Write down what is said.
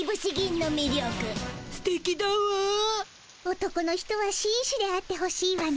男の人はしんしであってほしいわね。